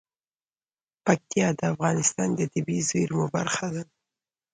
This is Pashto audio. پکتیا د افغانستان د طبیعي زیرمو برخه ده.